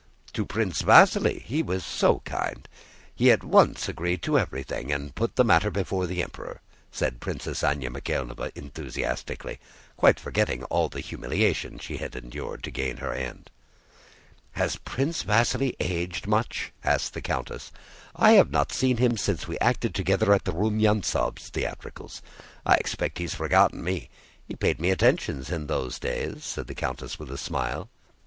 "To Prince Vasíli. He was so kind. He at once agreed to everything, and put the matter before the Emperor," said Princess Anna Mikháylovna enthusiastically, quite forgetting all the humiliation she had endured to gain her end. "Has Prince Vasíli aged much?" asked the countess. "I have not seen him since we acted together at the Rumyántsovs' theatricals. I expect he has forgotten me. He paid me attentions in those days," said the countess, with a smile.